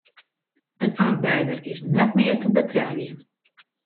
In arbeider is net mear te beteljen.